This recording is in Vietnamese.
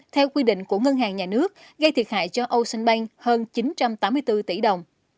theo quy định của ngân hàng nhà nước gây thiệt hại cho ocean bank hơn chín trăm tám mươi bốn tỷ đồng